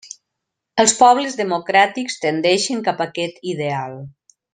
Els pobles democràtics tendeixen cap a aquest ideal.